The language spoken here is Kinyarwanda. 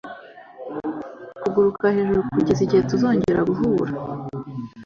kuguruka hejuru, kugeza igihe tuzongera guhura,